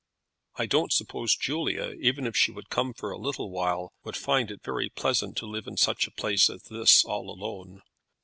"I don't suppose Julia, even if she would come for a little time, would find it very pleasant to live in such a place as this, all alone."